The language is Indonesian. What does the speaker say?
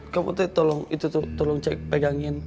kamu tolong cek pegangin